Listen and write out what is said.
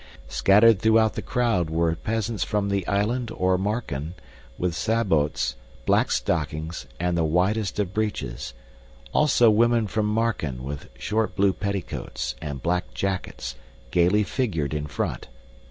Scattered throughout the crowd were peasants from the Island or Marken, with sabots, black stockings, and the widest of breeches; also women from Marken with short blue petticoats, and black jackets, gaily figured in front.